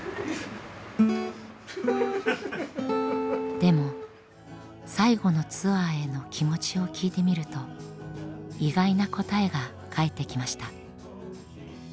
でも最後のツアーへの気持ちを聞いてみると意外な答えが返ってきました。